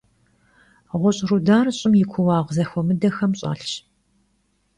Ğuş' rudar ş'ım yi kuuağ zexuemıdexem ş'elhş.